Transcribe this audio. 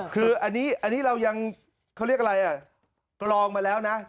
คืออันนี้เรายังเขาเรียกอะไรอ่ะกรองมาแล้วนะ